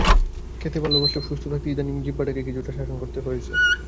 খেতে ভালোবাসলেও, সুস্থ থাকতে ইদানীং জিহ্বাটাকে কিছুটা শাসন করতে চেষ্টা করছেন।